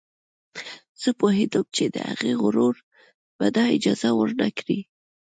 زه پوهېدم چې د هغې غرور به دا اجازه ور نه کړي